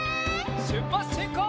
しゅっぱつしんこう！